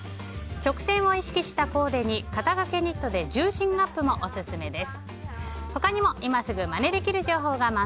直線を意識したコーデに肩掛けニットで重心アップもオススメです。